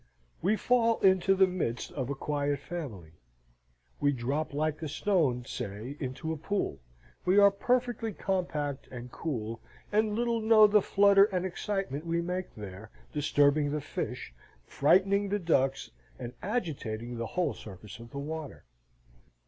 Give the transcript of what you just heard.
We fall into the midst of a quiet family: we drop like a stone, say, into a pool, we are perfectly compact and cool, and little know the flutter and excitement we make there, disturbing the fish, frightening the ducks, and agitating the whole surface of the water.